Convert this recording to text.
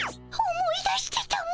思い出してたも。